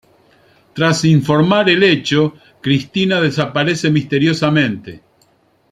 Tras informar el hecho, Cristina desaparece misteriosamente.